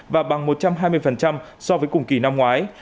và bằng một trăm hai mươi so với cùng kỳ năm ngoái